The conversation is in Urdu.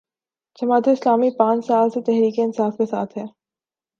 جماعت اسلامی پانچ سال سے تحریک انصاف کے ساتھ ہے۔